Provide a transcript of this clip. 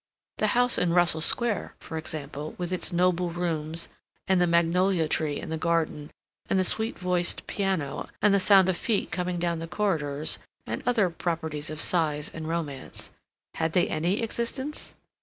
The house in Russell Square, for example, with its noble rooms, and the magnolia tree in the garden, and the sweet voiced piano, and the sound of feet coming down the corridors, and other properties of size and romance—had they any existence?